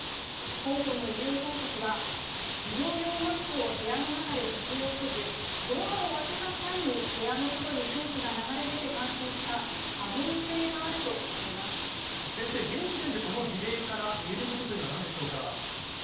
香港の医療当局は、医療用マスクを部屋の中で着用せず、ドアを開けた際に部屋の外に空気が流れ出て感染した可能性がある先生、現時点でこの事例からいえることというのはなんでしょうか。